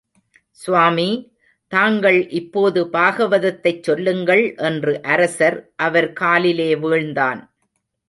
சுவாமி, தாங்கள் இப்போது பாகவதத்தைச் சொல்லுங்கள் என்று அரசன் அவர் காலிலே வீழ்ந்தான்.